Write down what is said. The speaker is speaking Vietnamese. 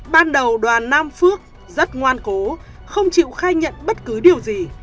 ban đầu đoàn nam phước rất ngoan cố không chịu khai nhận bất cứ điều gì